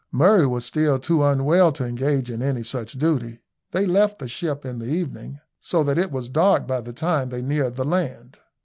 Murray was still too unwell to engage in any such duty. They left the ship in the evening, so that it was dark by the time they neared the land.